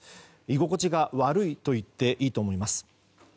居心地が悪いといっていいと思います。